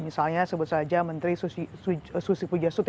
misalnya sebut saja menteri susi pujasuki